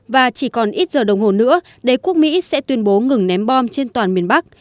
và chỉ còn ít giờ đồng hồ nữa đế quốc mỹ sẽ tuyên bố ngừng ném bom trên toàn miền bắc